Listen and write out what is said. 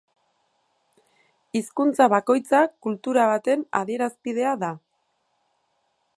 Hizkuntza bakoitza kultura baten adierazpidea da.